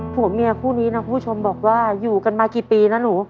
ผัวเมียคู่นี้นะคุณผู้ชมบอกว่าอยู่กันมากี่ปีนะหนู